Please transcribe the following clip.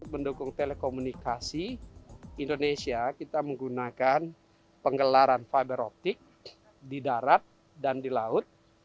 mendukung telekomunikasi indonesia kita menggunakan penggelaran fiberoptik di darat dan di laut